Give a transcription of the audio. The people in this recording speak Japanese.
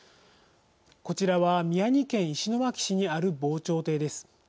こちらは宮城県石巻市にある防潮堤です。